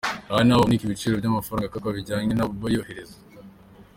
Aha ni n’aho haboneka ibiciro by’amafaranga akatwa bijyanye n’ayoherezwa.